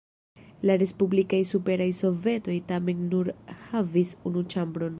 La respublikaj Superaj Sovetoj tamen nur havis unu ĉambron.